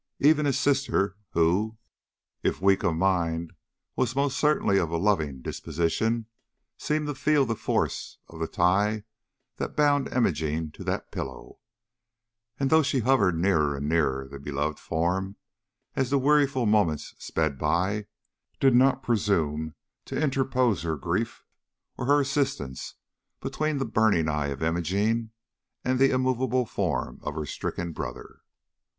Even his sister, who, if weak of mind, was most certainly of a loving disposition, seemed to feel the force of the tie that bound Imogene to that pillow; and, though she hovered nearer and nearer the beloved form as the weariful moments sped by, did not presume to interpose her grief or her assistance between the burning eye of Imogene and the immovable form of her stricken brother.